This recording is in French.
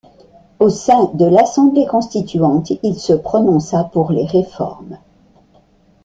Au sein de l'Assemblée constituante, il se prononça pour les réformes.